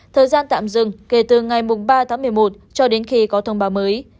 thời gian tạm dừng kể từ ngày ba tháng một mươi một cho đến khi có thông báo mới